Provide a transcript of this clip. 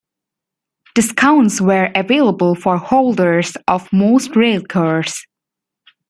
Discounts were available for holders of most Railcards.